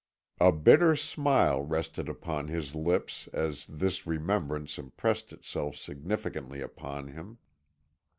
A bitter smile rested upon his lips as this remembrance impressed itself significantly upon him.